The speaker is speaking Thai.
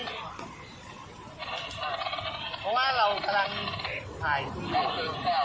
เพราะว่าเรากำลังถ่ายคุณอยู่เพราะเรื่องของคุณ